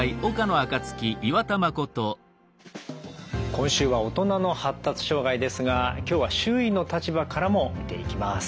今週は「大人の発達障害」ですが今日は周囲の立場からも見ていきます。